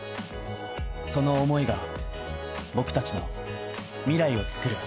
その思いが僕達の未来をつくる